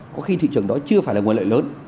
có khi thị trường đó chưa phải là nguồn lợi lớn